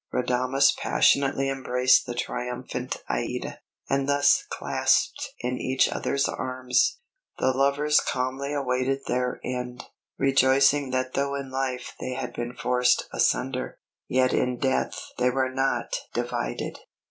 Radames passionately embraced the triumphant Aïda, and thus clasped in each other's arms, the lovers calmly awaited their end, rejoicing that though in life they had been forced asunder, yet in death they were not divided!